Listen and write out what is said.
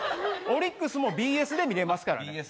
オリックスもＢＳで見られますからね。